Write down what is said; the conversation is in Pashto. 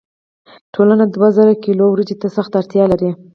ټولنه دوه زره کیلو وریجو ته سخته اړتیا لري.